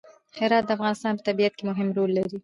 هرات د افغانستان په طبیعت کې مهم رول لري.